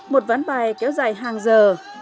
một ván bài kéo dài hàng giờ